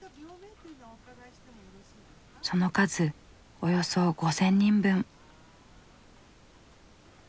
その数およそ５０００人分。